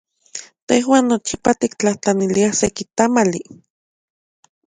Tejuan nochipa tiktlajtlaniliaj seki tamali.